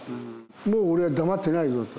もう俺は黙ってないぞと。